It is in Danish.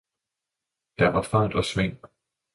Der var Fart og Sving.